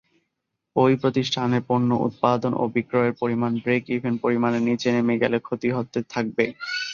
ঐ প্রতিষ্ঠানের পণ্য উৎপাদন ও বিক্রয়ের পরিমাণ ব্রেক-ইভেন পরিমাণের নিচে নেমে গেলে ক্ষতি হতে থাকবে।